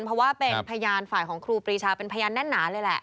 เพราะว่าเป็นพยานฝ่ายของครูปรีชาเป็นพยานแน่นหนาเลยแหละ